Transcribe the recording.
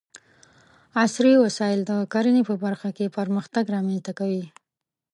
عصري وسايل د کرنې په برخه کې پرمختګ رامنځته کوي.